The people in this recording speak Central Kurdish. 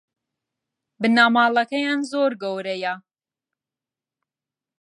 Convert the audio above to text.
بنەماڵەکەیان زۆر گەورەیە